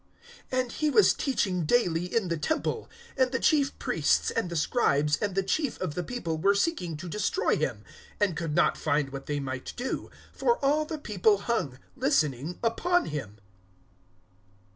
(47)And he was teaching daily in the temple; and the chief priests and the scribes and the chief of the people were seeking to destroy him, (48)and could not find what they might do; for all the people hung, listening, upon him.